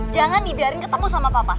jangan dibiarin ketemu sama papa